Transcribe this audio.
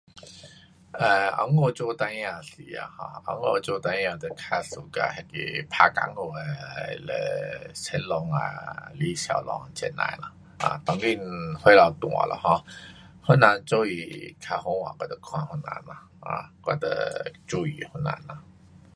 呃，温故做孩儿时头，um 温故做孩儿就较喜欢那个打功夫的嘞成龙啊，李小龙这那，um 当今 um 岁数大了哈，谁人做戏好看我就看谁人。um 我就注意谁人。